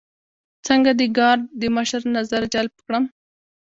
څنګه د ګارد د مشر نظر جلب کړم.